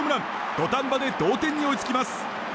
土壇場で同点に追いつきます。